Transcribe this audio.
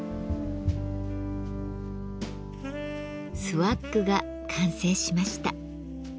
スワッグが完成しました。